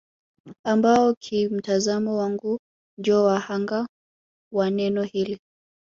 Ambao kimtazamo wangu ndio wa hanga wa neno hili